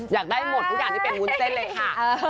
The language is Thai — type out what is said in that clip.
อยากได้หมดทุกอย่างที่เป็นวุ้นเส้นเลยค่ะ